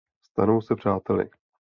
Stanou se přáteli.